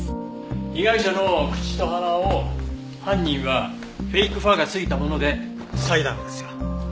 被害者の口と鼻を犯人はフェイクファーが付いたもので塞いだんですよ。